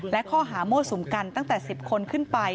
และข้อหามั่วสุมกันตั้งแต่๑๐คนขึ้นไป